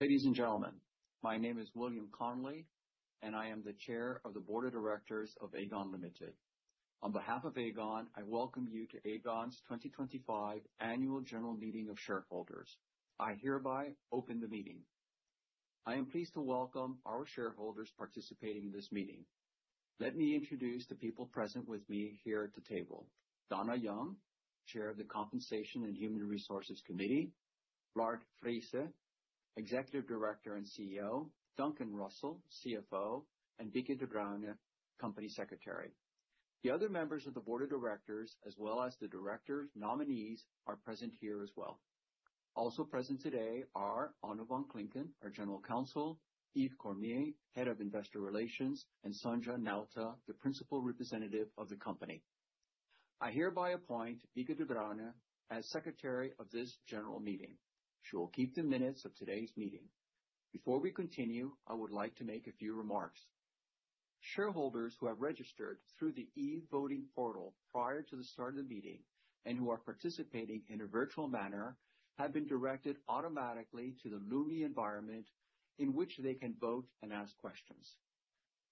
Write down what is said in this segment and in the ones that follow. Ladies and gentlemen, my name is William Connelly, and I am the Chair of the Board of Directors of Aegon Limited. On behalf of Aegon, I welcome you to Aegon's 2025 Annual General Meeting of Shareholders. I hereby open the meeting. I am pleased to welcome our shareholders participating in this meeting. Let me introduce the people present with me here at the table: Dona Young, Chair of the Compensation and Human Resources Committee; Lard Friese, Executive Director and CEO; Duncan Russell, CFO; and Bieke Debruyne, Company Secretary. The other members of the Board of Directors, as well as the Directors' nominees, are present here as well. Also present today are Anuvan Clinton, our General Counsel; Yves Cormier, Head of Investor Relations; and Sacha Nauta, the Principal Representative of the Company. I hereby appoint Bieke Debruyne as Secretary of this General Meeting. She will keep the minutes of today's meeting. Before we continue, I would like to make a few remarks. Shareholders who have registered through the e-voting portal prior to the start of the meeting and who are participating in a virtual manner have been directed automatically to the Lumi environment in which they can vote and ask questions.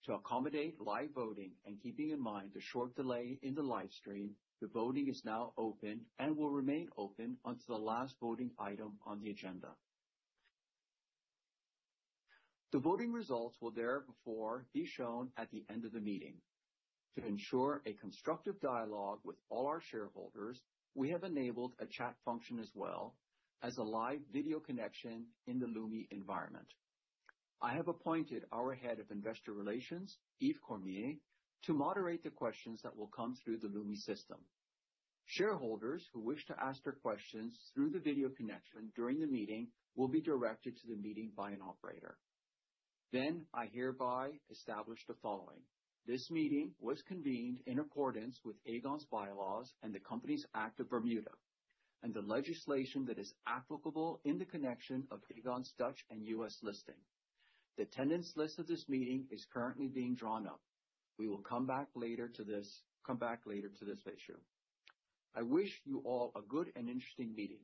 To accommodate live voting and keeping in mind the short delay in the live stream, the voting is now open and will remain open until the last voting item on the agenda. The voting results will therefore be shown at the end of the meeting. To ensure a constructive dialogue with all our shareholders, we have enabled a chat function as well as a live video connection in the Lumi environment. I have appointed our Head of Investor Relations, Yves Cormier, to moderate the questions that will come through the Lumi system. Shareholders who wish to ask their questions through the video connection during the meeting will be directed to the meeting by an operator. I hereby establish the following: This meeting was convened in accordance with Aegon's bylaws and the Company's Act of Bermuda and the legislation that is applicable in the connection of Aegon's Dutch and U.S. listing. The attendance list of this meeting is currently being drawn up. We will come back later to this issue. I wish you all a good and interesting meeting.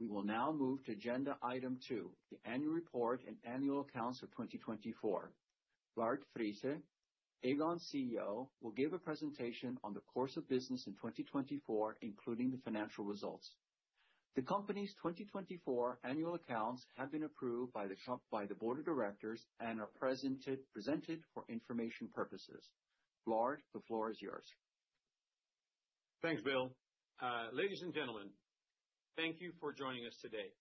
We will now move to Agenda Item 2, the Annual Report and Annual Accounts for 2024. Lard Friese, Aegon's CEO, will give a presentation on the course of business in 2024, including the financial results. The Company's 2024 Annual Accounts have been approved by the Board of Directors and are presented for information purposes. Lard, the floor is yours. Thanks, Bill. Ladies and gentlemen, thank you for joining us today.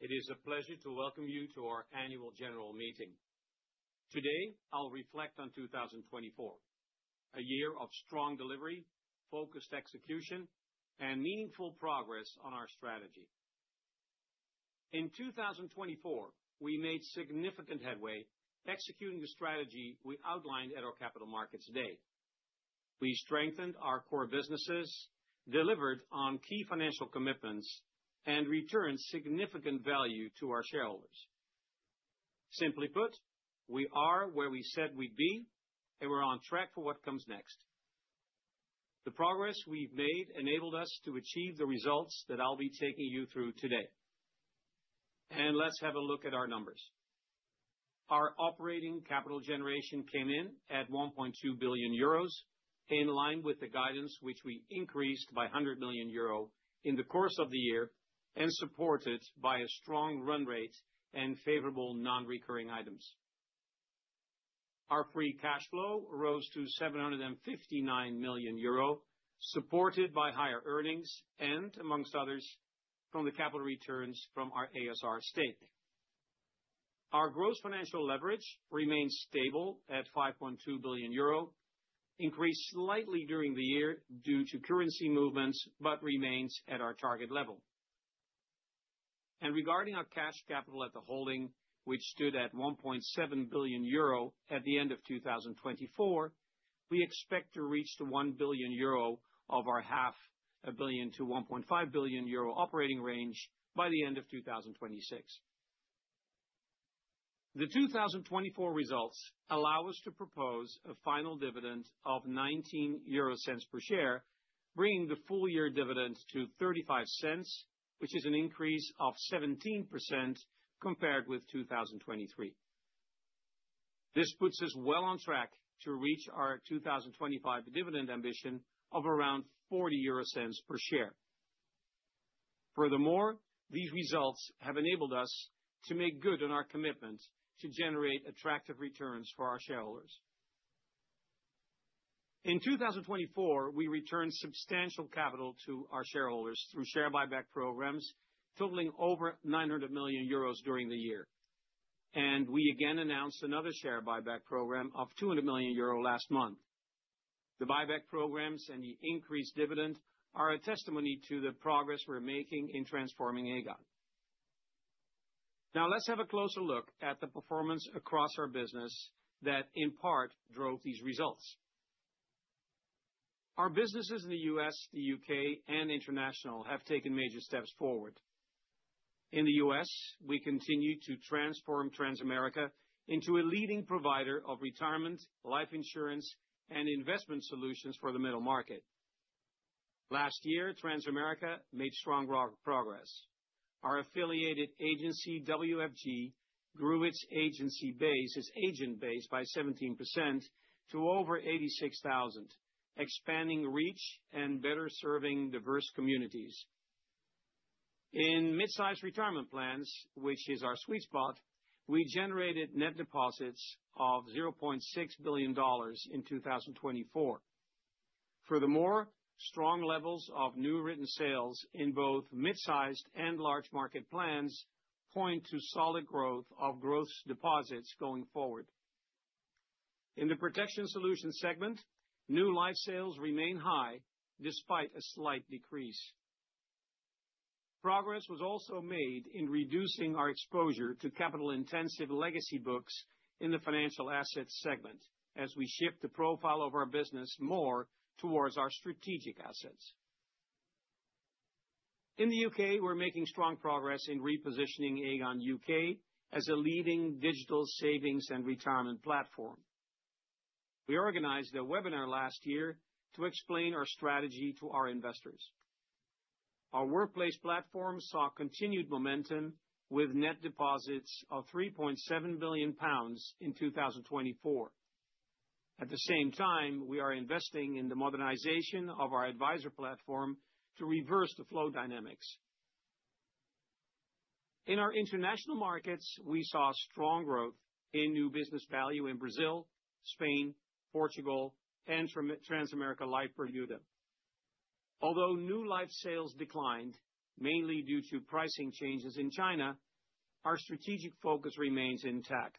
It is a pleasure to welcome you to our Annual General Meeting. Today, I'll reflect on 2024, a year of strong delivery, focused execution, and meaningful progress on our strategy. In 2024, we made significant headway executing the strategy we outlined at our Capital Markets Day. We strengthened our core businesses, delivered on key financial commitments, and returned significant value to our shareholders. Simply put, we are where we said we'd be, and we're on track for what comes next. The progress we've made enabled us to achieve the results that I'll be taking you through today. Let's have a look at our numbers. Our operating capital generation came in at 1.2 billion euros, in line with the guidance which we increased by 100 million euro in the course of the year and supported by a strong run rate and favorable non-recurring items. Our free cash flow rose to 759 million euro, supported by higher earnings and, amongst others, from the capital returns from our ASR stake. Our gross financial leverage remains stable at 5.2 billion euro, increased slightly during the year due to currency movements but remains at our target level. Regarding our cash capital at the holding, which stood at 1.7 billion euro at the end of 2024, we expect to reach the 1 billion euro of our 500 million-1.5 billion euro operating range by the end of 2026. The 2024 results allow us to propose a final dividend of 0.19 per share, bringing the full-year dividend to 0.35, which is an increase of 17% compared with 2023. This puts us well on track to reach our 2025 dividend ambition of around 0.40 per share. Furthermore, these results have enabled us to make good on our commitment to generate attractive returns for our shareholders. In 2024, we returned substantial capital to our shareholders through share buyback programs totaling over 900 million euros during the year. We again announced another share buyback program of 200 million euro last month. The buyback programs and the increased dividend are a testimony to the progress we're making in transforming Aegon. Now, let's have a closer look at the performance across our business that in part drove these results. Our businesses in the U.S., the U.K., and international have taken major steps forward. In the U.S., we continue to transform Transamerica into a leading provider of retirement, life insurance, and investment solutions for the middle market. Last year, Transamerica made strong progress. Our affiliated agency, WFG, grew its agency base, its agent base, by 17% to over 86,000, expanding reach and better serving diverse communities. In mid-sized retirement plans, which is our sweet spot, we generated net deposits of $0.6 billion in 2024. Furthermore, strong levels of new written sales in both mid-sized and large market plans point to solid growth of growth deposits going forward. In the Protection Solutions segment, new life sales remain high despite a slight decrease. Progress was also made in reducing our exposure to capital-intensive legacy books in the financial assets segment as we shift the profile of our business more towards our strategic assets. In the U.K., we're making strong progress in repositioning Aegon UK as a leading digital savings and retirement platform. We organized a webinar last year to explain our strategy to our investors. Our workplace platform saw continued momentum with net deposits of 3.7 billion pounds in 2024. At the same time, we are investing in the modernization of our advisor platform to reverse the flow dynamics. In our international markets, we saw strong growth in new business value in Brazil, Spain, Portugal, and Transamerica Life Bermuda. Although new life sales declined, mainly due to pricing changes in China, our strategic focus remains intact.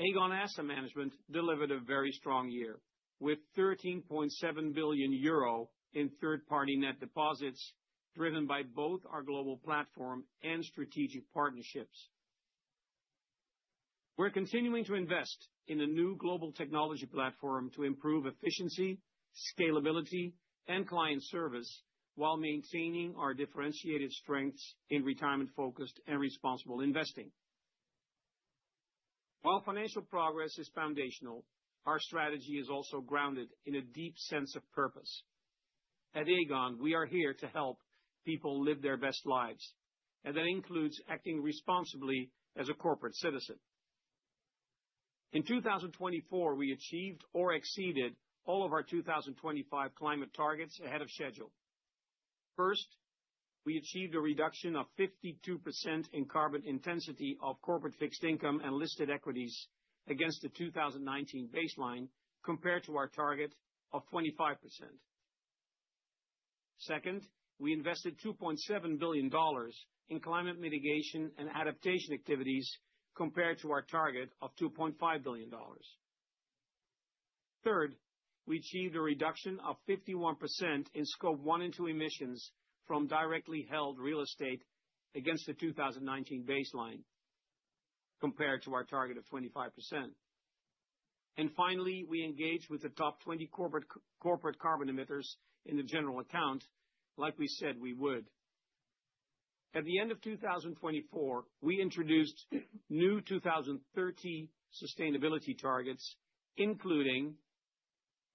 Aegon Asset Management delivered a very strong year with 13.7 billion euro in third-party net deposits driven by both our global platform and strategic partnerships. We're continuing to invest in a new global technology platform to improve efficiency, scalability, and client service while maintaining our differentiated strengths in retirement-focused and responsible investing. While financial progress is foundational, our strategy is also grounded in a deep sense of purpose. At Aegon, we are here to help people live their best lives, and that includes acting responsibly as a corporate citizen. In 2024, we achieved or exceeded all of our 2025 climate targets ahead of schedule. First, we achieved a reduction of 52% in carbon intensity of corporate fixed income and listed equities against the 2019 baseline compared to our target of 25%. Second, we invested $2.7 billion in climate mitigation and adaptation activities compared to our target of $2.5 billion. Third, we achieved a reduction of 51% in scope one and two emissions from directly held real estate against the 2019 baseline compared to our target of 25%. Finally, we engaged with the top 20 corporate carbon emitters in the general account, like we said we would. At the end of 2024, we introduced new 2030 sustainability targets, including: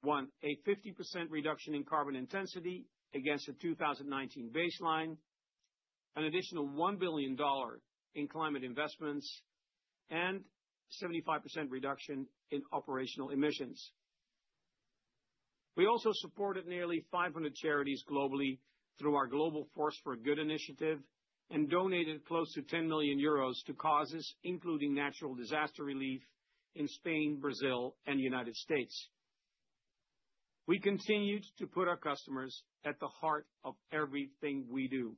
one, a 50% reduction in carbon intensity against the 2019 baseline; an additional $1 billion in climate investments; and a 75% reduction in operational emissions. We also supported nearly 500 charities globally through our Global Force for Good initiative and donated close to 10 million euros to causes including natural disaster relief in Spain, Brazil, and the U.S. We continued to put our customers at the heart of everything we do.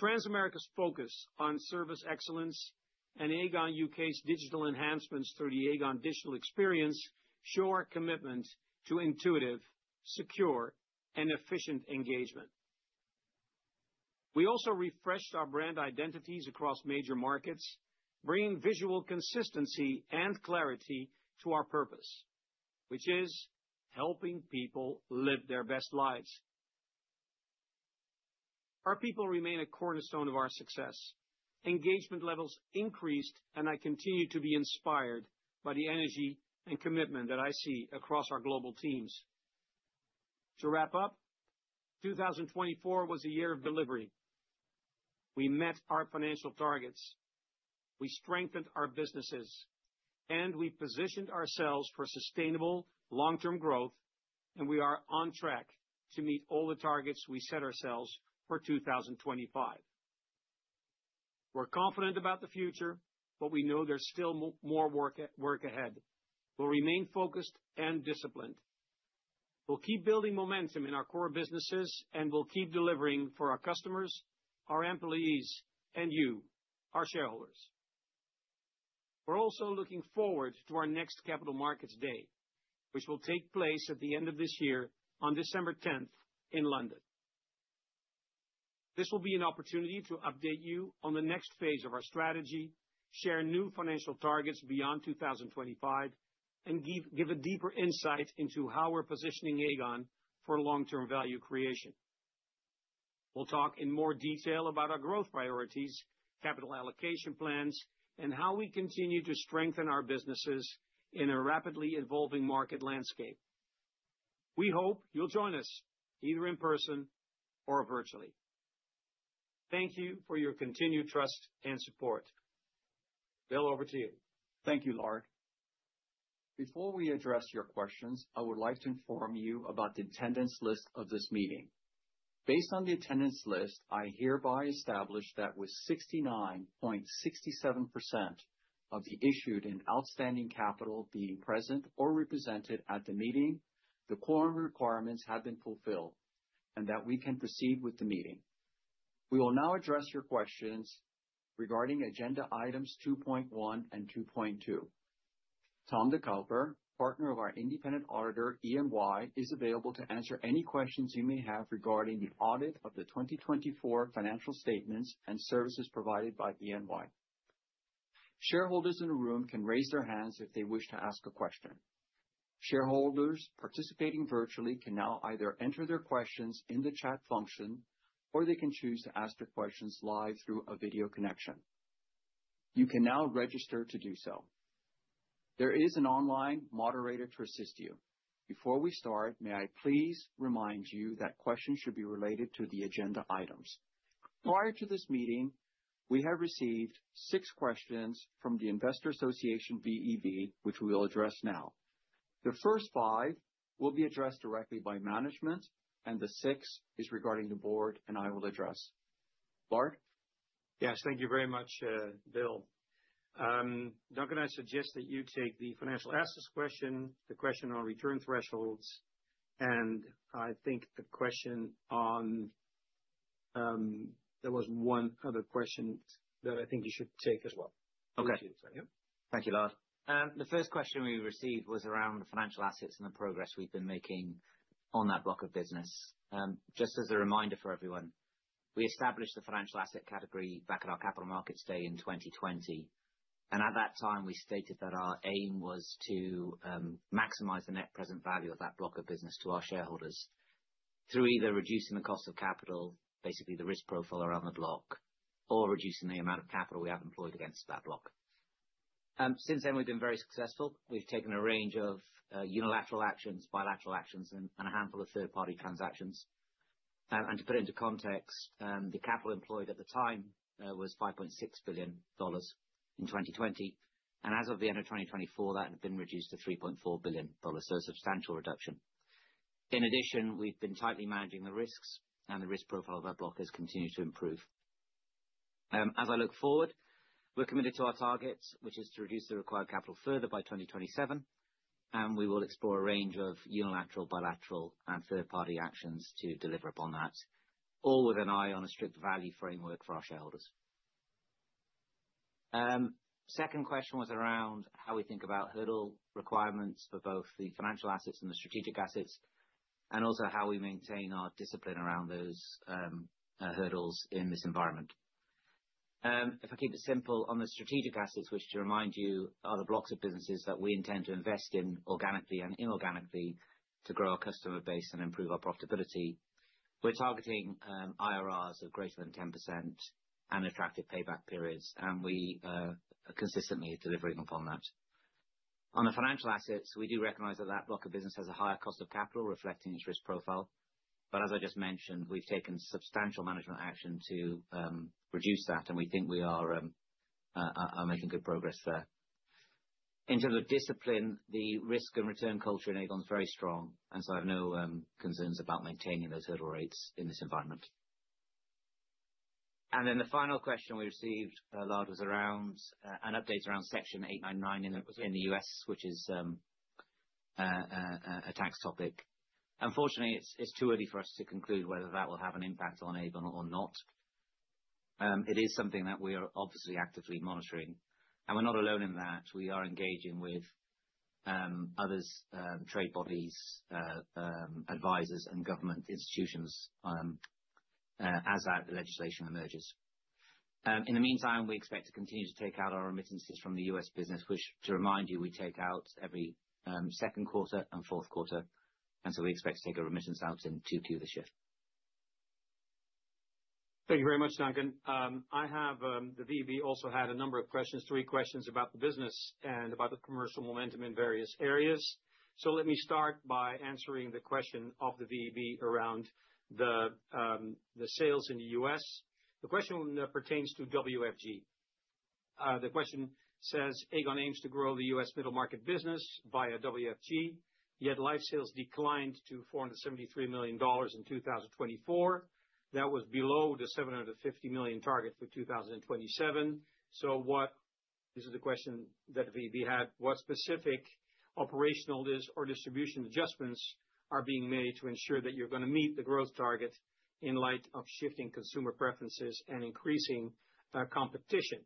Transamerica's focus on service excellence and Aegon UK's digital enhancements through the Aegon Digital Experience show our commitment to intuitive, secure, and efficient engagement. We also refreshed our brand identities across major markets, bringing visual consistency and clarity to our purpose, which is helping people live their best lives. Our people remain a cornerstone of our success. Engagement levels increased, and I continue to be inspired by the energy and commitment that I see across our global teams. To wrap up, 2024 was a year of delivery. We met our financial targets. We strengthened our businesses. We positioned ourselves for sustainable long-term growth, and we are on track to meet all the targets we set ourselves for 2025. We are confident about the future, but we know there's still more work ahead. We'll remain focused and disciplined. We'll keep building momentum in our core businesses, and we'll keep delivering for our customers, our employees, and you, our shareholders. We're also looking forward to our next Capital Markets Day, which will take place at the end of this year on December 10th in London. This will be an opportunity to update you on the next phase of our strategy, share new financial targets beyond 2025, and give a deeper insight into how we're positioning Aegon for long-term value creation. We'll talk in more detail about our growth priorities, capital allocation plans, and how we continue to strengthen our businesses in a rapidly evolving market landscape. We hope you'll join us either in person or virtually. Thank you for your continued trust and support. Bill, over to you. Thank you, Lard. Before we address your questions, I would like to inform you about the attendance list of this meeting. Based on the attendance list, I hereby establish that with 69.67% of the issued and outstanding capital being present or represented at the meeting, the quorum requirements have been fulfilled and that we can proceed with the meeting. We will now address your questions regarding Agenda Items 2.1 and 2.2. Tom DeCulper, partner of our independent auditor, E&Y, is available to answer any questions you may have regarding the audit of the 2024 financial statements and services provided by E&Y. Shareholders in the room can raise their hands if they wish to ask a question. Shareholders participating virtually can now either enter their questions in the chat function or they can choose to ask their questions live through a video connection. You can now register to do so. There is an online moderator to assist you. Before we start, may I please remind you that questions should be related to the agenda items. Prior to this meeting, we have received six questions from the Investor Association VEB, which we will address now. The first five will be addressed directly by management, and the sixth is regarding the board, and I will address. Lard? Yes, thank you very much, Bill. I'm not going to suggest that you take the financial assets question, the question on return thresholds, and I think the question on there was one other question that I think you should take as well. Okay. Thank you, Lard. The first question we received was around financial assets and the progress we've been making on that block of business. Just as a reminder for everyone, we established the financial asset category back at our Capital Markets Day in 2020. At that time, we stated that our aim was to maximize the net present value of that block of business to our shareholders through either reducing the cost of capital, basically the risk profile around the block, or reducing the amount of capital we have employed against that block. Since then, we've been very successful. We've taken a range of unilateral actions, bilateral actions, and a handful of third-party transactions. To put it into context, the capital employed at the time was $5.6 billion in 2020. As of the end of 2024, that had been reduced to $3.4 billion, so a substantial reduction. In addition, we've been tightly managing the risks, and the risk profile of our block has continued to improve. As I look forward, we're committed to our targets, which is to reduce the required capital further by 2027. We will explore a range of unilateral, bilateral, and third-party actions to deliver upon that, all with an eye on a strict value framework for our shareholders. Second question was around how we think about hurdle requirements for both the financial assets and the strategic assets, and also how we maintain our discipline around those hurdles in this environment. If I keep it simple, on the strategic assets, which, to remind you, are the blocks of businesses that we intend to invest in organically and inorganically to grow our customer base and improve our profitability. We're targeting IRRs of greater than 10% and attractive payback periods, and we are consistently delivering upon that. On the financial assets, we do recognize that that block of business has a higher cost of capital reflecting its risk profile. As I just mentioned, we've taken substantial management action to reduce that, and we think we are making good progress there. In terms of discipline, the risk and return culture in Aegon is very strong, and I have no concerns about maintaining those hurdle rates in this environment. The final question we received, Lard, was around an update around Section 899 in the U.S., which is a tax topic. Unfortunately, it's too early for us to conclude whether that will have an impact on Aegon or not. It is something that we are obviously actively monitoring, and we're not alone in that. We are engaging with others, trade bodies, advisors, and government institutions as that legislation emerges. In the meantime, we expect to continue to take out our remittances from the U.S. business, which, to remind you, we take out every second quarter and fourth quarter. We expect to take our remittance out in 2Q this year. Thank you very much, Duncan. I have the VEB also had a number of questions, three questions about the business and about the commercial momentum in various areas. Let me start by answering the question of the VEB around the sales in the U.S. The question pertains to WFG. The question says, Aegon aims to grow the U.S. middle market business via WFG, yet life sales declined to $473 million in 2024. That was below the $750 million target for 2027. This is the question that the VEB had, what specific operational or distribution adjustments are being made to ensure that you're going to meet the growth target in light of shifting consumer preferences and increasing competition?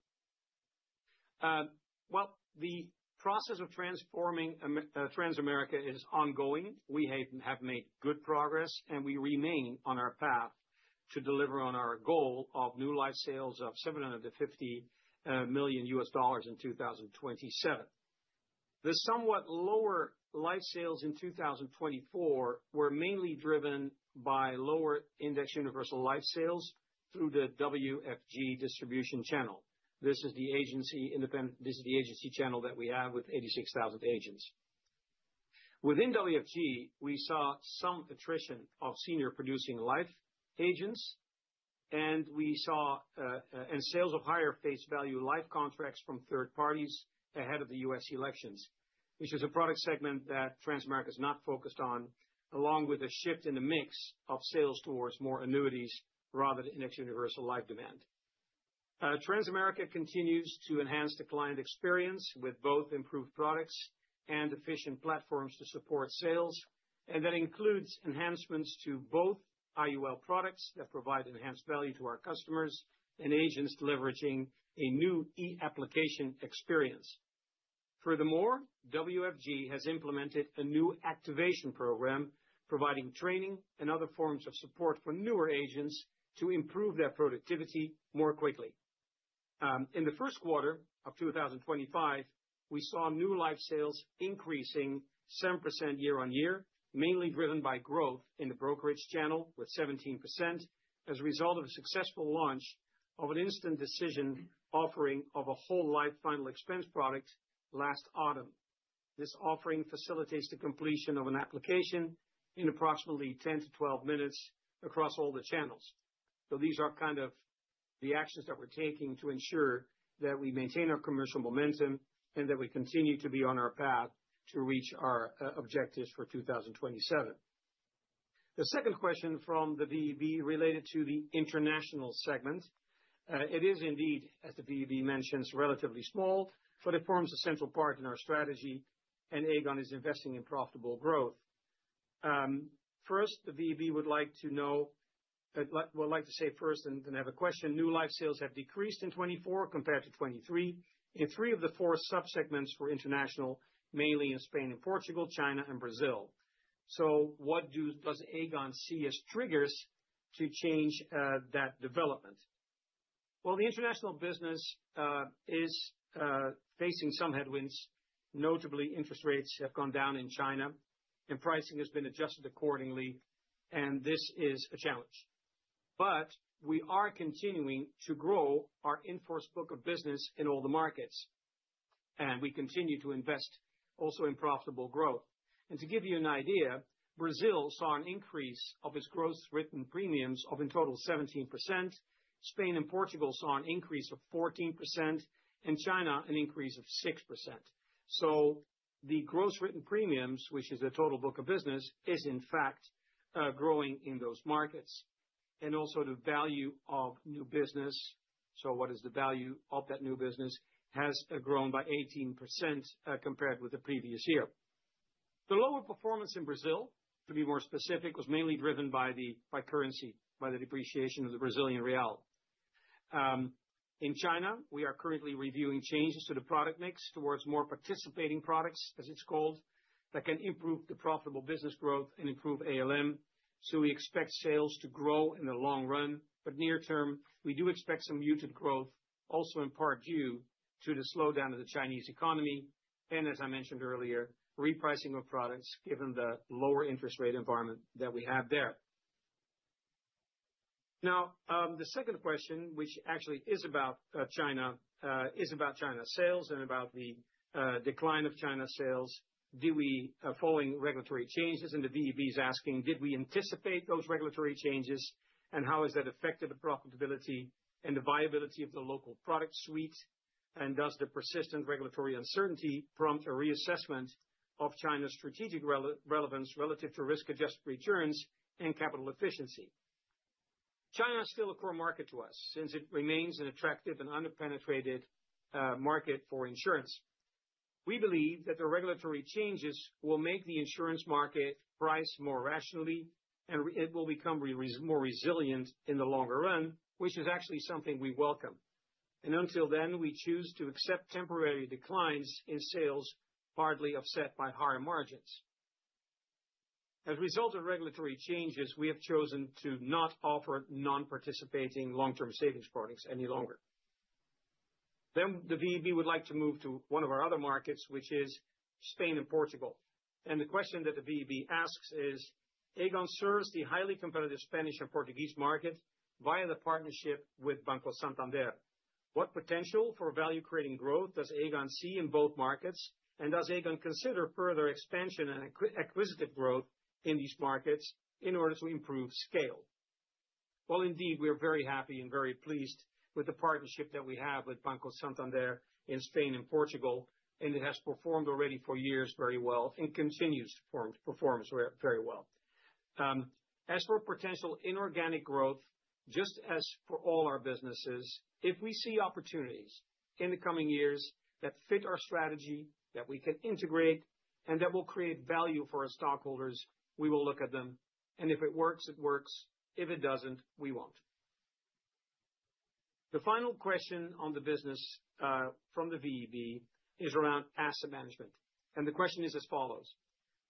The process of transforming Transamerica is ongoing. We have made good progress, and we remain on our path to deliver on our goal of new life sales of $750 million in 2027. The somewhat lower life sales in 2024 were mainly driven by lower index universal life sales through the WFG distribution channel. This is the agency independent, this is the agency channel that we have with 86,000 agents. Within WFG, we saw some attrition of senior producing life agents, and we saw sales of higher face value life contracts from third parties ahead of the U.S. elections, which is a product segment that Transamerica is not focused on, along with a shift in the mix of sales towards more annuities rather than index universal life demand. Transamerica continues to enhance the client experience with both improved products and efficient platforms to support sales, and that includes enhancements to both IUL products that provide enhanced value to our customers and agents leveraging a new e-application experience. Furthermore, WFG has implemented a new activation program providing training and other forms of support for newer agents to improve their productivity more quickly. In the first quarter of 2025, we saw new life sales increasing 7% year-on-year, mainly driven by growth in the brokerage channel with 17% as a result of a successful launch of an instant decision offering of a whole life final expense product last autumn. This offering facilitates the completion of an application in approximately 10 minutes-12 minutes across all the channels. These are kind of the actions that we're taking to ensure that we maintain our commercial momentum and that we continue to be on our path to reach our objectives for 2027. The second question from the VEB related to the international segment. It is indeed, as the VEB mentions, relatively small, but it forms a central part in our strategy, and Aegon is investing in profitable growth. First, the VEB would like to say first and then have a question. New life sales have decreased in 2024 compared to 2023 in three of the four subsegments for international, mainly in Spain and Portugal, China, and Brazil. What does Aegon see as triggers to change that development? The international business is facing some headwinds. Notably, interest rates have gone down in China, and pricing has been adjusted accordingly, and this is a challenge. We are continuing to grow our inforce book of business in all the markets, and we continue to invest also in profitable growth. To give you an idea, Brazil saw an increase of its gross written premiums of in total 17%. Spain and Portugal saw an increase of 14%, and China an increase of 6%. The gross written premiums, which is the total book of business, is in fact growing in those markets. Also, the value of new business, so what is the value of that new business, has grown by 18% compared with the previous year. The lower performance in Brazil, to be more specific, was mainly driven by the currency, by the depreciation of the Brazilian real. In China, we are currently reviewing changes to the product mix towards more participating products, as it's called, that can improve the profitable business growth and improve ALM. We expect sales to grow in the long run, but near term, we do expect some muted growth, also in part due to the slowdown of the Chinese economy and, as I mentioned earlier, repricing of products given the lower interest rate environment that we have there. Now, the second question, which actually is about China, is about China sales and about the decline of China sales. Do we, following regulatory changes, and the VEB is asking, did we anticipate those regulatory changes, and how has that affected the profitability and the viability of the local product suite, and does the persistent regulatory uncertainty prompt a reassessment of China's strategic relevance relative to risk-adjusted returns and capital efficiency? China is still a core market to us since it remains an attractive and underpenetrated market for insurance. We believe that the regulatory changes will make the insurance market price more rationally, and it will become more resilient in the longer run, which is actually something we welcome. Until then, we choose to accept temporary declines in sales hardly offset by higher margins. As a result of regulatory changes, we have chosen to not offer non-participating long-term savings products any longer. The VEB would like to move to one of our other markets, which is Spain and Portugal. The question that the VEB asks is, Aegon serves the highly competitive Spanish and Portuguese market via the partnership with Banco Santander. What potential for value-creating growth does Aegon see in both markets, and does Aegon consider further expansion and acquisitive growth in these markets in order to improve scale? Indeed, we are very happy and very pleased with the partnership that we have with Banco Santander in Spain and Portugal, and it has performed already for years very well and continues to perform very well. As for potential inorganic growth, just as for all our businesses, if we see opportunities in the coming years that fit our strategy, that we can integrate, and that will create value for our stockholders, we will look at them. If it works, it works. If it does not, we will not. The final question on the business from the VEB is around asset management. The question is as follows.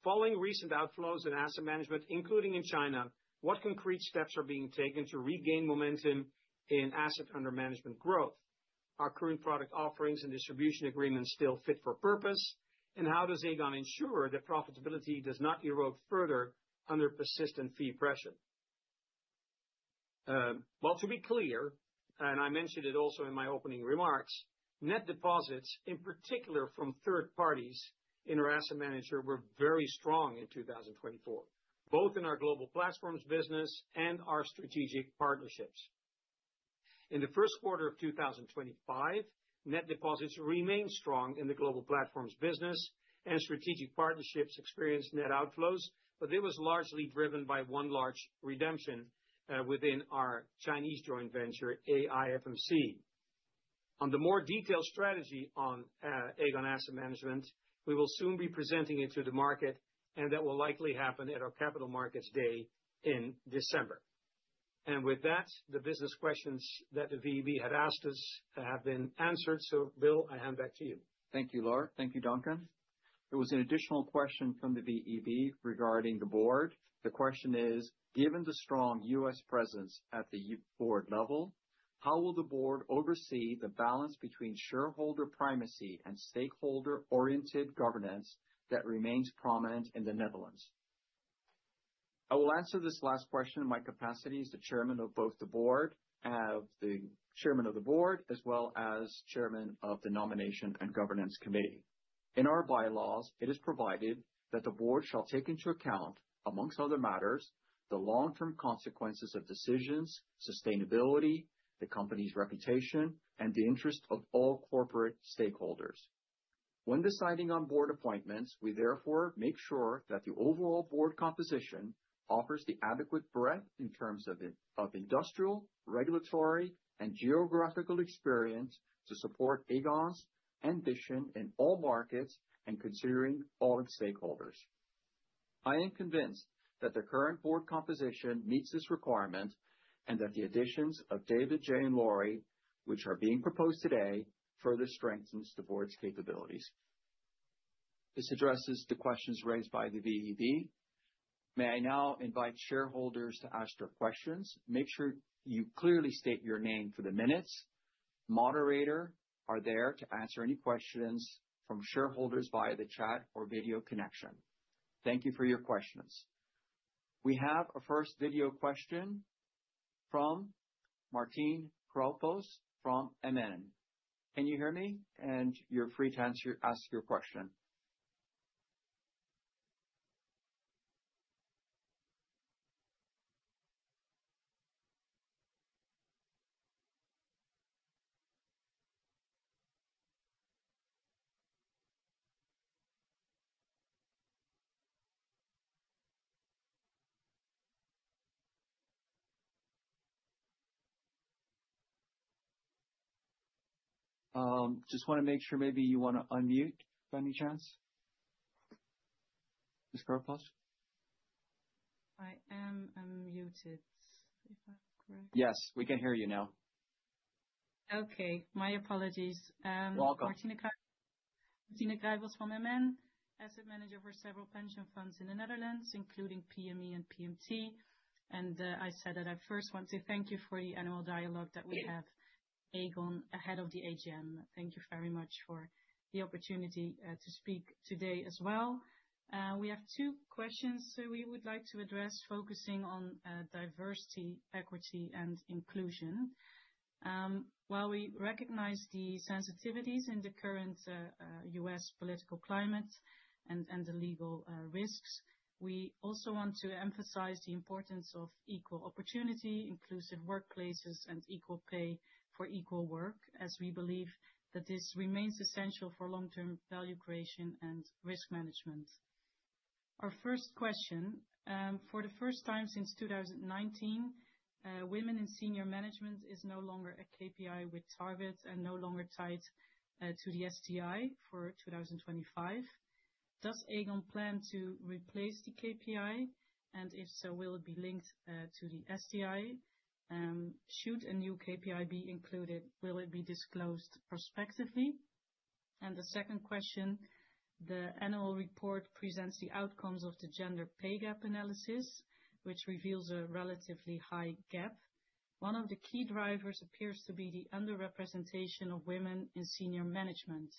Following recent outflows in asset management, including in China, what concrete steps are being taken to regain momentum in asset under management growth? Are current product offerings and distribution agreements still fit for purpose, and how does Aegon ensure that profitability does not erode further under persistent fee pressure? To be clear, and I mentioned it also in my opening remarks, net deposits, in particular from third parties in our asset manager, were very strong in 2024, both in our global platforms business and our strategic partnerships. In the first quarter of 2025, net deposits remained strong in the global platforms business and strategic partnerships experienced net outflows, but they were largely driven by one large redemption within our Chinese joint venture, AIFMC. On the more detailed strategy on Aegon Asset Management, we will soon be presenting it to the market, and that will likely happen at our Capital Markets Day in December. With that, the business questions that the VEB had asked us have been answered. Bill, I hand back to you. Thank you, Lard. Thank you, Duncan. There was an additional question from the VEB regarding the board. The question is, given the strong U.S. presence at the board level, how will the board oversee the balance between shareholder primacy and stakeholder-oriented governance that remains prominent in the Netherlands? I will answer this last question in my capacity as the Chairman of both the board, the Chairman of the board, as well as Chairman of the Nomination and Governance Committee. In our bylaws, it is provided that the board shall take into account, amongst other matters, the long-term consequences of decisions, sustainability, the company's reputation, and the interest of all corporate stakeholders. When deciding on board appointments, we therefore make sure that the overall board composition offers the adequate breadth in terms of industrial, regulatory, and geographical experience to support Aegon's ambition in all markets and considering all its stakeholders. I am convinced that the current board composition meets this requirement and that the additions of David, Jay, and Lori, which are being proposed today, further strengthen the board's capabilities. This addresses the questions raised by the VEB. May I now invite shareholders to ask their questions? Make sure you clearly state your name for the minutes. Moderators are there to answer any questions from shareholders via the chat or video connection. Thank you for your questions. We have a first video question from Martine Cropos from MN. Can you hear me? And you're free to answer your question. Just want to make sure maybe you want to unmute by any chance. Ms. Cropos? I am unmuted, if I'm correct. Yes, we can hear you now. Okay. My apologies. Welcome. Martine Cropos from MN. Asset manager for several pension funds in the Netherlands, including PME and PMT. I first want to thank you for the annual dialogue that we have with Aegon ahead of the AGM. Thank you very much for the opportunity to speak today as well. We have two questions we would like to address focusing on diversity, equity, and inclusion. While we recognize the sensitivities in the current U.S. political climate and the legal risks, we also want to emphasize the importance of equal opportunity, inclusive workplaces, and equal pay for equal work, as we believe that this remains essential for long-term value creation and risk management. Our first question, for the first time since 2019, women in senior management is no longer a KPI with targets and no longer tied to the STI for 2025. Does Aegon plan to replace the KPI? If so, will it be linked to the STI? Should a new KPI be included, will it be disclosed prospectively? The second question, the annual report presents the outcomes of the gender pay gap analysis, which reveals a relatively high gap. One of the key drivers appears to be the underrepresentation of women in senior management.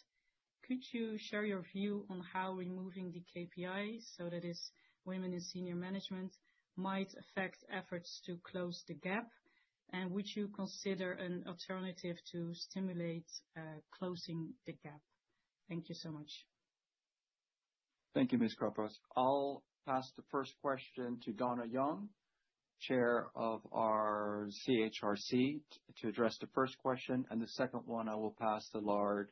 Could you share your view on how removing the KPI, so that is, women in senior management, might affect efforts to close the gap? Would you consider an alternative to stimulate closing the gap? Thank you so much. Thank you, Ms. Cropos. I'll pass the first question to Dona Young, Chair of our CHRC, to address the first question. The second one, I will pass to Lard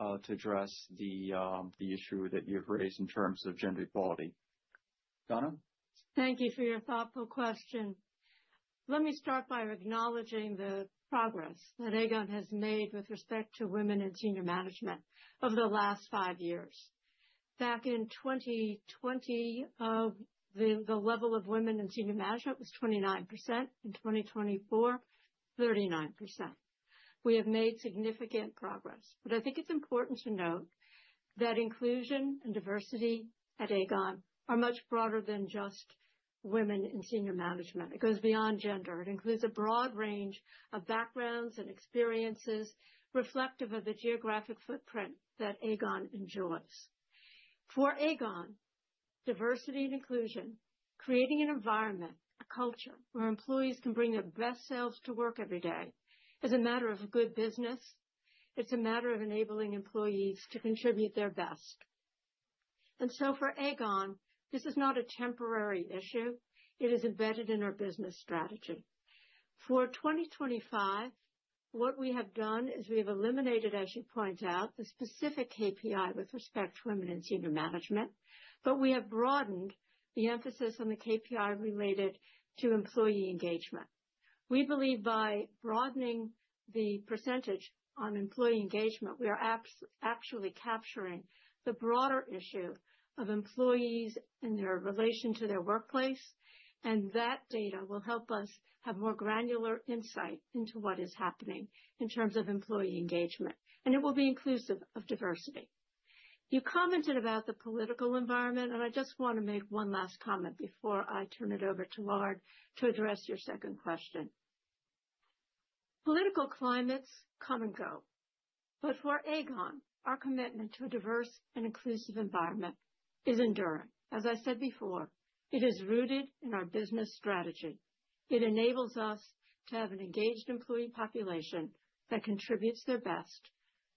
to address the issue that you've raised in terms of gender equality. Dona? Thank you for your thoughtful question. Let me start by acknowledging the progress that Aegon has made with respect to women in senior management over the last five years. Back in 2020, the level of women in senior management was 29%. In 2024, 39%. We have made significant progress. I think it's important to note that inclusion and diversity at Aegon are much broader than just women in senior management. It goes beyond gender. It includes a broad range of backgrounds and experiences reflective of the geographic footprint that Aegon enjoys. For Aegon, diversity and inclusion, creating an environment, a culture where employees can bring their best selves to work every day, is a matter of good business. It's a matter of enabling employees to contribute their best. For Aegon, this is not a temporary issue. It is embedded in our business strategy. For 2025, what we have done is we have eliminated, as you point out, the specific KPI with respect to women in senior management, but we have broadened the emphasis on the KPI related to employee engagement. We believe by broadening the percentage on employee engagement, we are actually capturing the broader issue of employees and their relation to their workplace. That data will help us have more granular insight into what is happening in terms of employee engagement. It will be inclusive of diversity. You commented about the political environment, and I just want to make one last comment before I turn it over to Lard to address your second question. Political climates come and go. For Aegon, our commitment to a diverse and inclusive environment is enduring. As I said before, it is rooted in our business strategy. It enables us to have an engaged employee population that contributes their best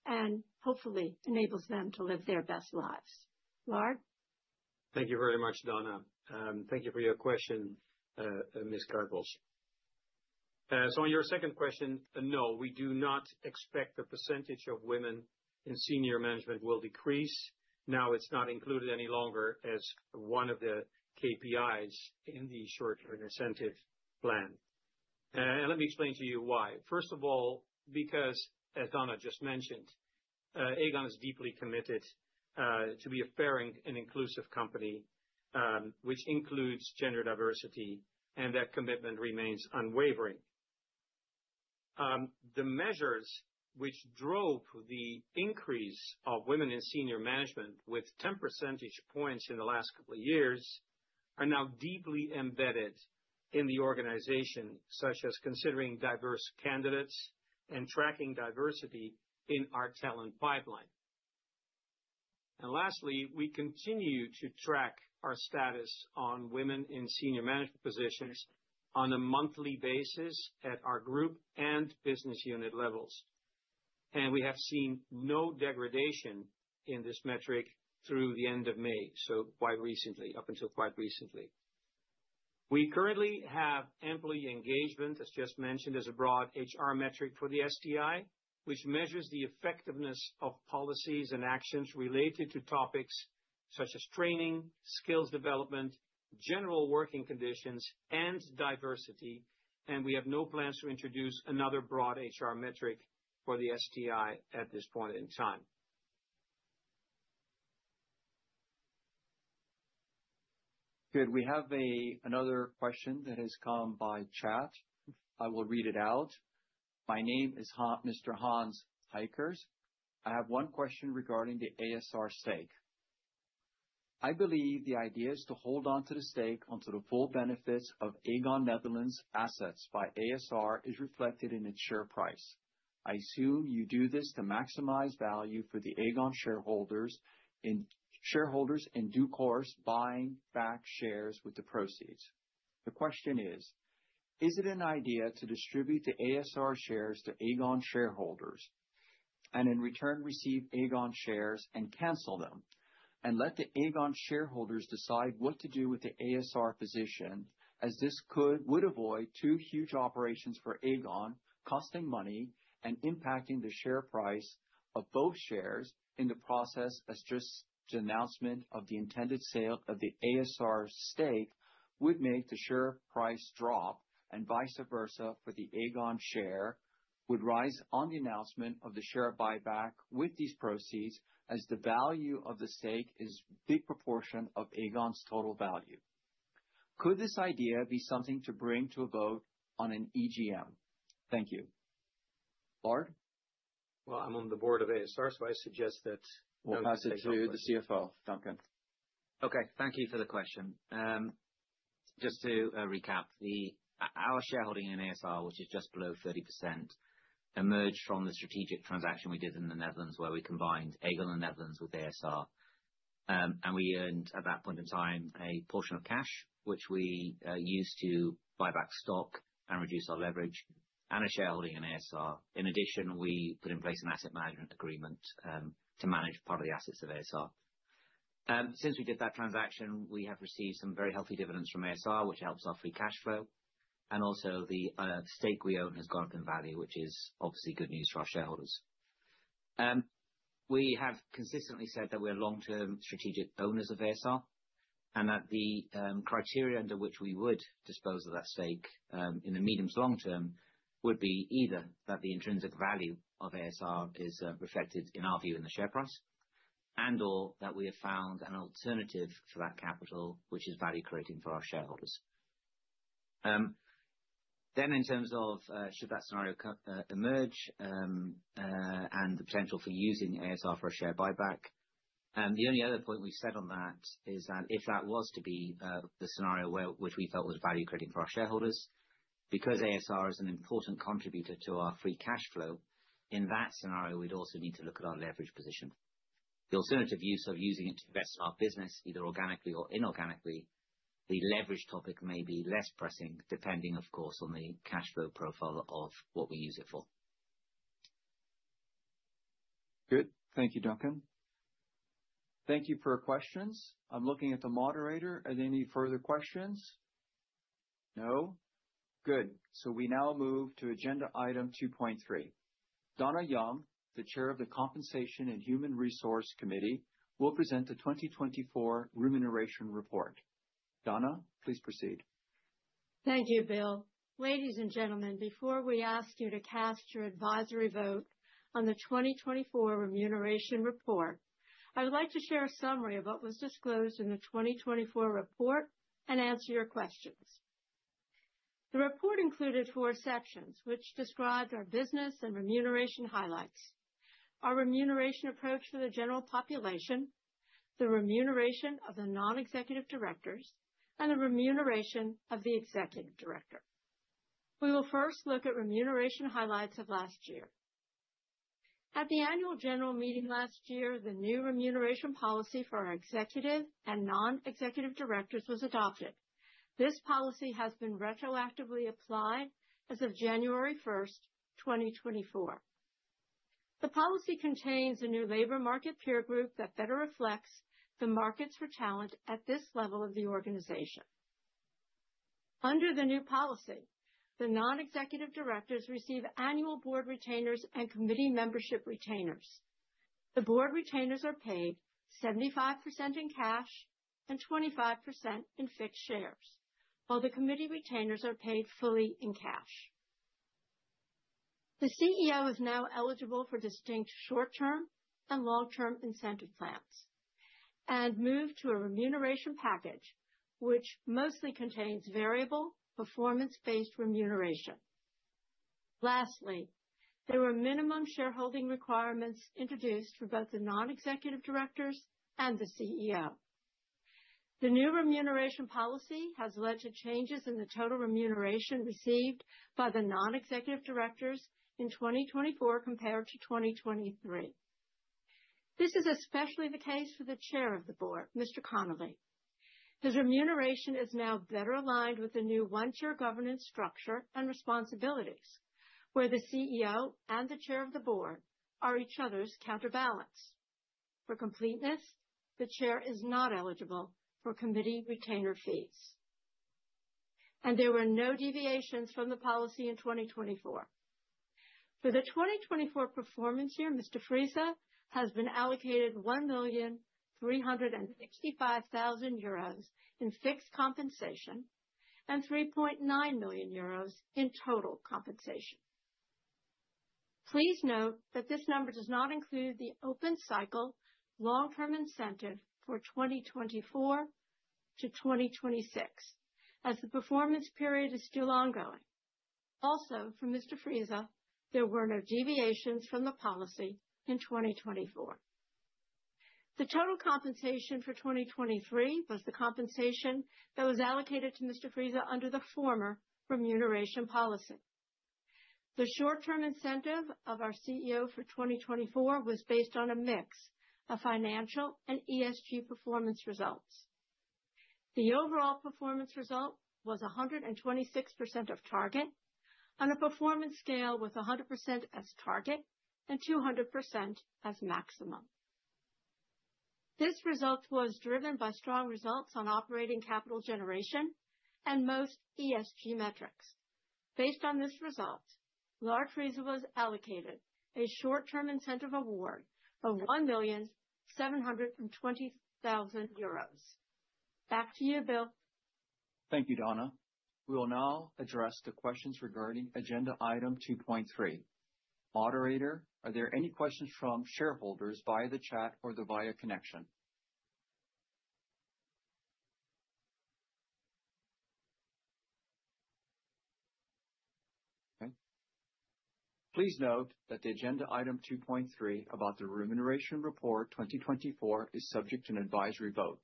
and hopefully enables them to live their best lives. Lard? Thank you very much, Dona. Thank you for your question, Ms. Cropos. On your second question, no, we do not expect the percentage of women in senior management will decrease. It is not included any longer as one of the KPIs in the short-term incentive plan. Let me explain to you why. First of all, because, as Dona just mentioned, Aegon is deeply committed to be a fair and inclusive company, which includes gender diversity, and that commitment remains unwavering. The measures which drove the increase of women in senior management with 10 percentage points in the last couple of years are now deeply embedded in the organization, such as considering diverse candidates and tracking diversity in our talent pipeline. Lastly, we continue to track our status on women in senior management positions on a monthly basis at our group and business unit levels. We have seen no degradation in this metric through the end of May, so quite recently, up until quite recently. We currently have employee engagement, as just mentioned, as a broad HR metric for the STI, which measures the effectiveness of policies and actions related to topics such as training, skills development, general working conditions, and diversity. We have no plans to introduce another broad HR metric for the STI at this point in time. Good. We have another question that has come by chat. I will read it out. My name is Mr. Hans Hickers. I have one question regarding the ASR stake. I believe the idea is to hold on to the stake until the full benefits of Aegon Netherlands' assets by ASR is reflected in its share price. I assume you do this to maximize value for the Aegon shareholders in due course buying back shares with the proceeds. The question is, is it an idea to distribute the ASR shares to Aegon shareholders and in return receive Aegon shares and cancel them and let the Aegon shareholders decide what to do with the ASR position, as this would avoid two huge operations for Aegon costing money and impacting the share price of both shares in the process, as just the announcement of the intended sale of the ASR stake would make the share price drop and vice versa for the Aegon share would rise on the announcement of the share buyback with these proceeds, as the value of the stake is a big proportion of Aegon's total value. Could this idea be something to bring to a vote on an EGM? Thank you. Lard? I'm on the board of ASR, so I suggest that. We'll pass it to the CFO, Duncan. Okay. Thank you for the question. Just to recap, our shareholding in ASR, which is just below 30%, emerged from the strategic transaction we did in the Netherlands, where we combined Aegon and Netherlands with ASR. We earned at that point in time a portion of cash, which we used to buy back stock and reduce our leverage and a shareholding in ASR. In addition, we put in place an asset management agreement to manage part of the assets of ASR. Since we did that transaction, we have received some very healthy dividends from ASR, which helps our free cash flow. Also, the stake we own has gone up in value, which is obviously good news for our shareholders. We have consistently said that we are long-term strategic owners of ASR and that the criteria under which we would dispose of that stake in the medium to long term would be either that the intrinsic value of ASR is reflected, in our view, in the share price and/or that we have found an alternative for that capital, which is value creating for our shareholders. In terms of should that scenario emerge and the potential for using ASR for a share buyback, the only other point we've said on that is that if that was to be the scenario which we felt was value creating for our shareholders, because ASR is an important contributor to our free cash flow, in that scenario, we'd also need to look at our leverage position. The alternative use of using it to invest in our business, either organically or inorganically, the leverage topic may be less pressing, depending, of course, on the cash flow profile of what we use it for. Good. Thank you, Duncan. Thank you for your questions. I'm looking at the moderator. Are there any further questions? No? Good. We now move to agenda item 2.3. Dona Young, the Chair of the Compensation and Human Resources Committee, will present the 2024 Remuneration Report. Dona, please proceed. Thank you, Bill. Ladies and gentlemen, before we ask you to cast your advisory vote on the 2024 Remuneration Report, I would like to share a summary of what was disclosed in the 2024 report and answer your questions. The report included four sections, which described our business and remuneration highlights: our remuneration approach for the general population, the remuneration of the non-executive directors, and the remuneration of the executive director. We will first look at remuneration highlights of last year. At the annual general meeting last year, the new remuneration policy for our executive and non-executive directors was adopted. This policy has been retroactively applied as of January 1st, 2024. The policy contains a new labor market peer group that better reflects the markets for talent at this level of the organization. Under the new policy, the non-executive directors receive annual board retainers and committee membership retainers. The board retainers are paid 75% in cash and 25% in fixed shares, while the committee retainers are paid fully in cash. The CEO is now eligible for distinct short-term and long-term incentive plans and moved to a remuneration package, which mostly contains variable performance-based remuneration. Lastly, there were minimum shareholding requirements introduced for both the non-executive directors and the CEO. The new remuneration policy has led to changes in the total remuneration received by the non-executive directors in 2024 compared to 2023. This is especially the case for the chair of the board, Mr. Connelly. His remuneration is now better aligned with the new one-tier governance structure and responsibilities, where the CEO and the chair of the board are each other's counterbalance. For completeness, the chair is not eligible for committee retainer fees. There were no deviations from the policy in 2024. For the 2024 performance year, Mr. Friese has been allocated 1,365,000 euros in fixed compensation and 3.9 million euros in total compensation. Please note that this number does not include the open cycle long-term incentive for 2024-2026, as the performance period is still ongoing. Also, for Mr. Friese, there were no deviations from the policy in 2024. The total compensation for 2023 was the compensation that was allocated to Mr. Friese under the former remuneration policy. The short-term incentive of our CEO for 2024 was based on a mix of financial and ESG performance results. The overall performance result was 126% of target on a performance scale with 100% as target and 200% as maximum. This result was driven by strong results on operating capital generation and most ESG metrics. Based on this result, Lard Friese was allocated a short-term incentive award of 1,720,000 euros. Back to you, Bill. Thank you, Dona. We will now address the questions regarding agenda item 2.3. Moderator, are there any questions from shareholders via the chat or via connection? Okay. Please note that the agenda item 2.3 about the Remuneration Report 2024 is subject to an advisory vote.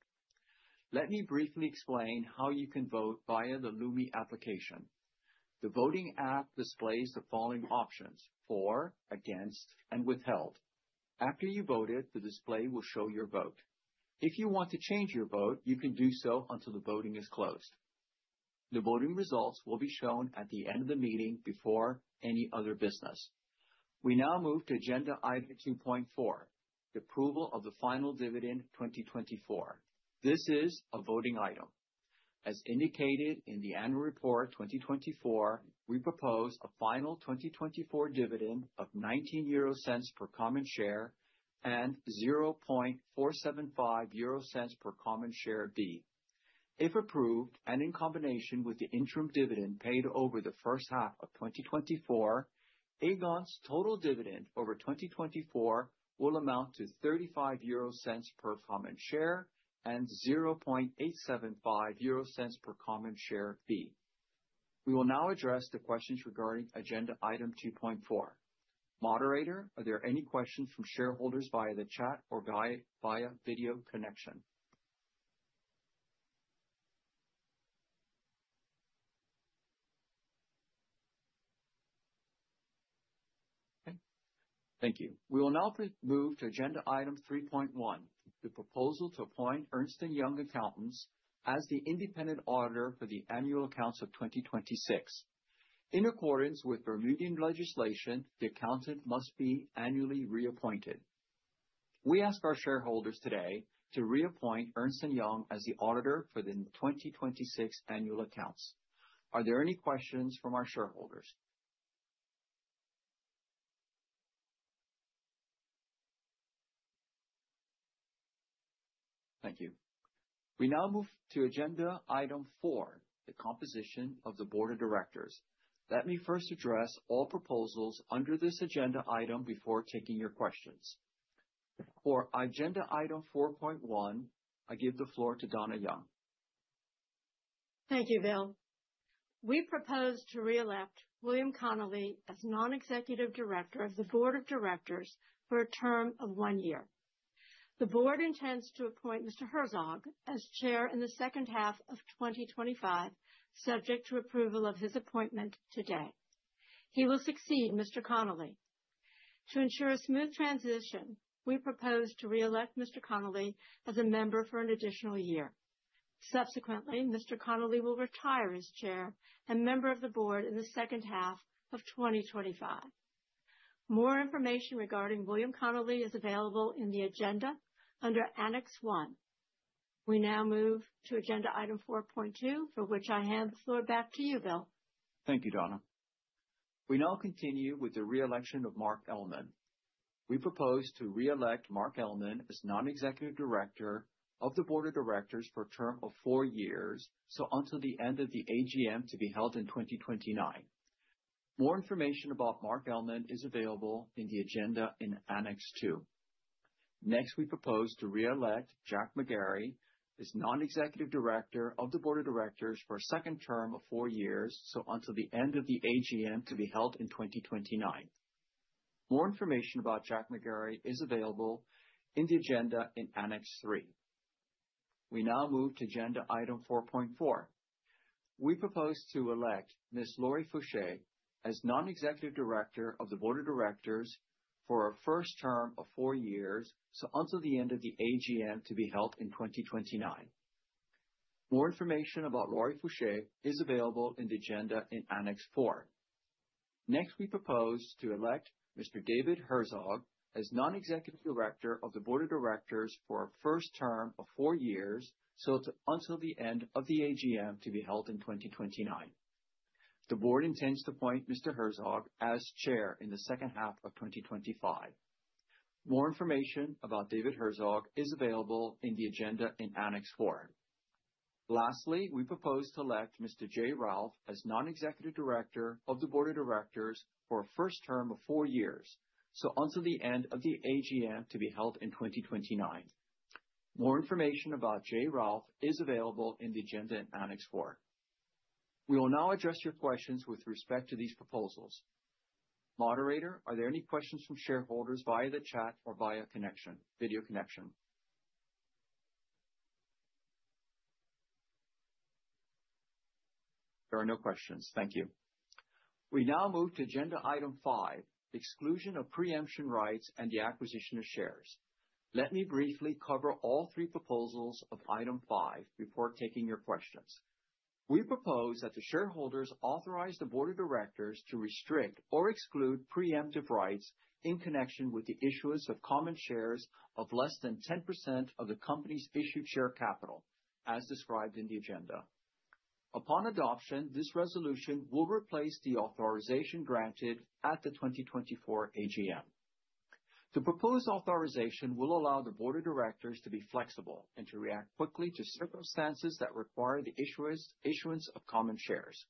Let me briefly explain how you can vote via the Lumi application. The voting app displays the following options: for, against, and withheld. After you voted, the display will show your vote. If you want to change your vote, you can do so until the voting is closed. The voting results will be shown at the end of the meeting before any other business. We now move to agenda item 2.4, the approval of the final dividend 2024. This is a voting item. As indicated in the Annual Report 2024, we propose a final 2024 dividend of 0.19 per common share and 0.475 per common share D. If approved and in combination with the interim dividend paid over the first half of 2024, Aegon's total dividend over 2024 will amount to 0.35 per common share and 0.875 per common share D. We will now address the questions regarding agenda item 2.4. Moderator, are there any questions from shareholders via the chat or via video connection? Okay. Thank you. We will now move to agenda item 3.1, the proposal to appoint Ernst & Young Accountants as the independent auditor for the annual accounts of 2026. In accordance with Bermudian legislation, the accountant must be annually reappointed. We ask our shareholders today to reappoint Ernst & Young as the auditor for the 2026 annual accounts. Are there any questions from our shareholders? Thank you. We now move to agenda item four, the composition of the board of directors. Let me first address all proposals under this agenda item before taking your questions. For agenda item 4.1, I give the floor to Dona Young. Thank you, Bill. We propose to reelect William Connelly as Non-Executive Director of the Board of Directors for a term of one year. The Board intends to appoint Mr. Herzog as Chair in the second half of 2025, subject to approval of his appointment today. He will succeed Mr. Connelly. To ensure a smooth transition, we propose to reelect Mr. Connelly as a member for an additional year. Subsequently, Mr. Connelly will retire as Chair and member of the Board in the second half of 2025. More information regarding William Connelly is available in the agenda under Annex 1. We now move to agenda item 4.2, for which I hand the floor back to you, Bill. Thank you, Dona. We now continue with the reelection of Mark Elleman. We propose to reelect Mark Elleman as Non-Executive Director of the Board of Directors for a term of four years, so until the end of the AGM to be held in 2029. More information about Mark Elleman is available in the agenda in Annex 2. Next, we propose to reelect Jack McGarry as Non-Executive Director of the Board of Directors for a second term of four years, so until the end of the AGM to be held in 2029. More information about Jack McGarry is available in the agenda in Annex 3. We now move to agenda item 4.4. We propose to elect Ms. Laurie Fouché as Non-Executive Director of the Board of Directors for a first term of four years, so until the end of the AGM to be held in 2029. More information about Laurie Fouché is available in the agenda in Annex 4. Next, we propose to elect Mr. David Herzog as non-executive director of the Board of Directors for a first term of four years, so until the end of the AGM to be held in 2029. The Board intends to appoint Mr. Herzog as Chair in the second half of 2025. More information about David Herzog is available in the agenda in Annex 4. Lastly, we propose to elect Mr. Jay Ralph as non-executive director of the Board of Directors for a first term of four years, so until the end of the AGM to be held in 2029. More information about Jay Ralph is available in the agenda in Annex 4. We will now address your questions with respect to these proposals. Moderator, are there any questions from shareholders via the chat or via video connection? There are no questions. Thank you. We now move to agenda item five, exclusion of preemption rights and the acquisition of shares. Let me briefly cover all three proposals of item five before taking your questions. We propose that the shareholders authorize the Board of Directors to restrict or exclude preemptive rights in connection with the issuance of common shares of less than 10% of the company's issued share capital, as described in the agenda. Upon adoption, this resolution will replace the authorization granted at the 2024 AGM. The proposed authorization will allow the Board of Directors to be flexible and to react quickly to circumstances that require the issuance of common shares.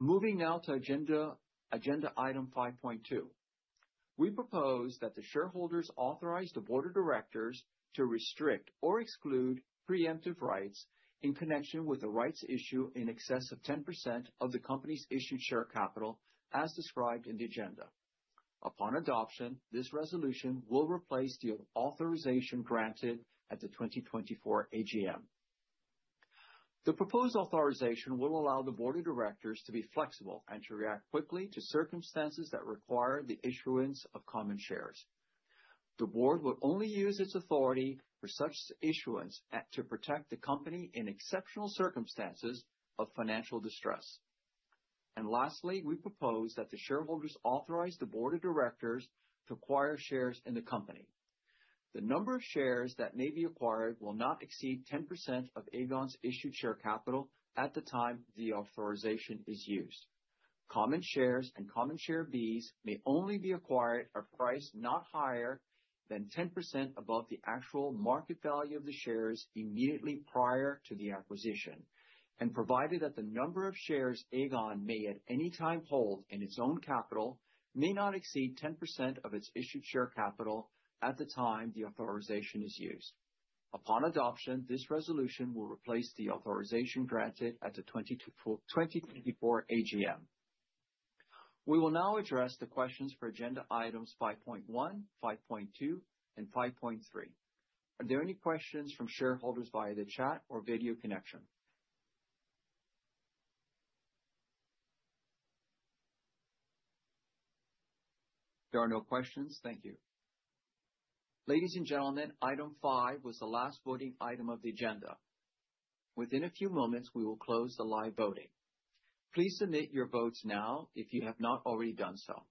Moving now to agenda item 5.2. We propose that the shareholders authorize the Board of Directors to restrict or exclude preemptive rights in connection with the rights issued in excess of 10% of the company's issued share capital, as described in the agenda. Upon adoption, this resolution will replace the authorization granted at the 2024 AGM. The proposed authorization will allow the Board of Directors to be flexible and to react quickly to circumstances that require the issuance of common shares. The Board will only use its authority for such issuance to protect the company in exceptional circumstances of financial distress. Lastly, we propose that the shareholders authorize the Board of Directors to acquire shares in the company. The number of shares that may be acquired will not exceed 10% of Aegon's issued share capital at the time the authorization is used. Common shares and common share Bs may only be acquired at a price not higher than 10% above the actual market value of the shares immediately prior to the acquisition, provided that the number of shares Aegon may at any time hold in its own capital may not exceed 10% of its issued share capital at the time the authorization is used. Upon adoption, this resolution will replace the authorization granted at the 2024 AGM. We will now address the questions for agenda items 5.1, 5.2, and 5.3. Are there any questions from shareholders via the chat or video connection? There are no questions. Thank you. Ladies and gentlemen, item 5 was the last voting item of the agenda. Within a few moments, we will close the live voting. Please submit your votes now if you have not already done so.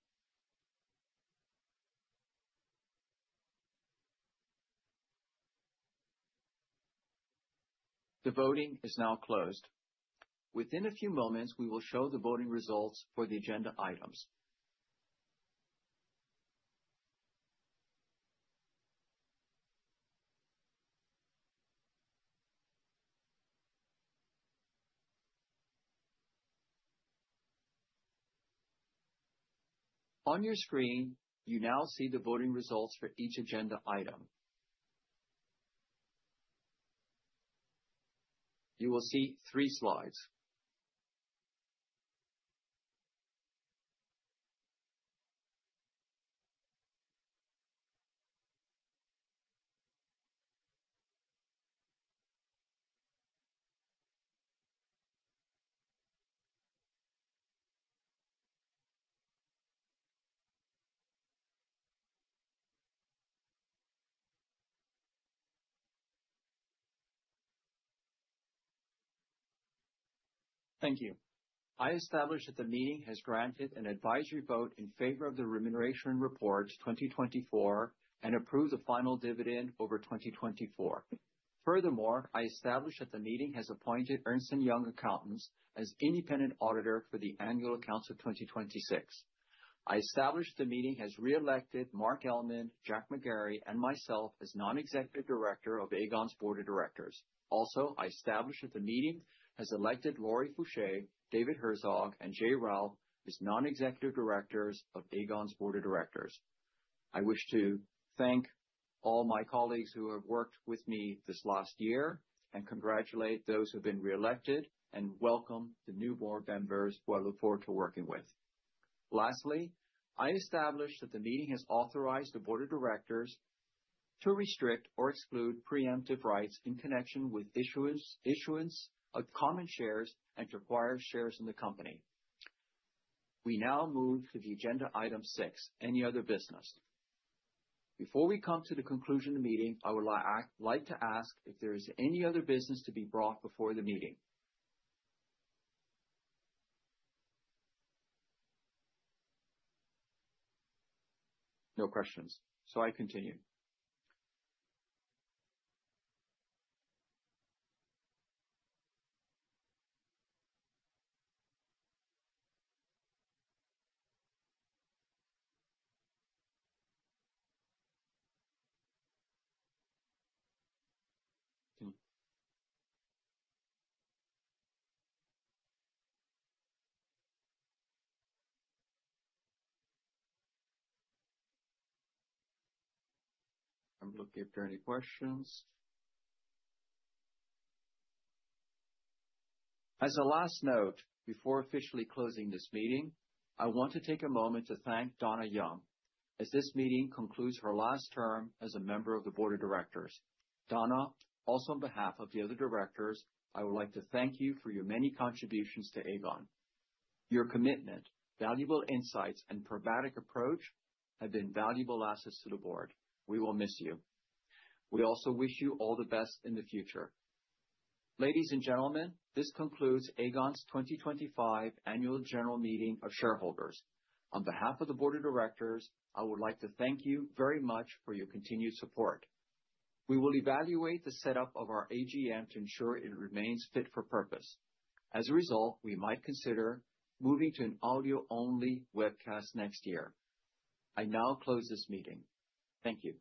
The voting is now closed. Within a few moments, we will show the voting results for the agenda items. On your screen, you now see the voting results for each agenda item. You will see three slides. Thank you. I establish that the meeting has granted an advisory vote in favor of the Remuneration Report 2024 and approved the final dividend over 2024. Furthermore, I establish that the meeting has appointed Ernst & Young Accountants as independent auditor for the annual accounts of 2026. I establish that the meeting has reelected Mark Elleman, Jack McGarry, and myself as non-executive director of Aegon's board of directors. Also, I establish that the meeting has elected Laurie Fouché, David Herzog, and Jay Ralph as non-executive directors of Aegon's board of directors. I wish to thank all my colleagues who have worked with me this last year and congratulate those who have been reelected and welcome the new board members who I look forward to working with. Lastly, I establish that the meeting has authorized the Board of Directors to restrict or exclude preemptive rights in connection with issuance of common shares and to acquire shares in the company. We now move to the agenda item 6, any other business. Before we come to the conclusion of the meeting, I would like to ask if there is any other business to be brought before the meeting. No questions, so I continue. I'm looking if there are any questions. As a last note, before officially closing this meeting, I want to take a moment to thank Dona Young as this meeting concludes her last term as a member of the Board of Directors. Dona, also on behalf of the other directors, I would like to thank you for your many contributions to Aegon. Your commitment, valuable insights, and pragmatic approach have been valuable assets to the board. We will miss you. We also wish you all the best in the future. Ladies and gentlemen, this concludes Aegon's 2025 annual general meeting of shareholders. On behalf of the board of directors, I would like to thank you very much for your continued support. We will evaluate the setup of our AGM to ensure it remains fit for purpose. As a result, we might consider moving to an audio-only webcast next year. I now close this meeting. Thank you.